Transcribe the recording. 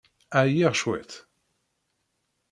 Ɛyiɣ cwiṭ.